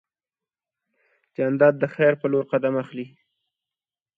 جانداد د خیر په لور قدم اخلي.